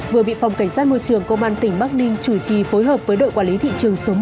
vừa bị phòng cảnh sát môi trường công an tỉnh bắc ninh chủ trì phối hợp với đội quản lý thị trường số một